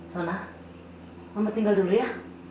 solah mama tinggal dulu ya